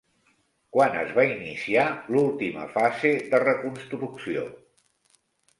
Quan es va iniciar l'última fase de reconstrucció?